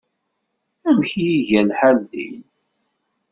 Amek ay iga lḥal din?